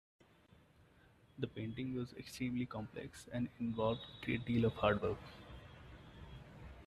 The painting was extremely complex and involved a great deal of hard work.